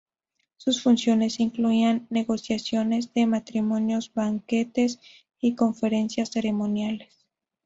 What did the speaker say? Sus funciones incluían negociaciones de matrimonios, banquetes y conferencias ceremoniales.